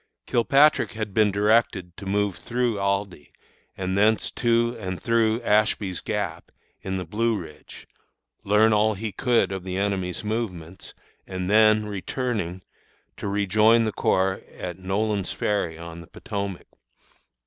Kilpatrick had been directed to move through Aldie, and thence to and through Ashby's Gap, in the Blue Ridge, learn all he could of the enemy's movements, and, then returning, to rejoin the corps at Nolan's Ferry on the Potomac.